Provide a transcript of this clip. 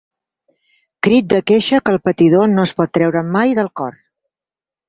Crit de queixa que el patidor no es pot treure mai del cor.